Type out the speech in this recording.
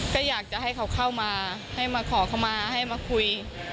ก็อยากจะให้เขาเข้ามาให้มาขอเข้ามาให้มาคุย